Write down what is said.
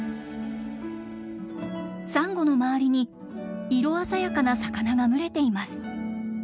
サンゴの周りに色鮮やかな魚が群れています。